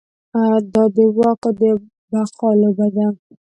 دا د واک د بقا لوبه ده.